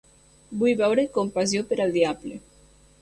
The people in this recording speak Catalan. Vull veure "Compassió per al diable".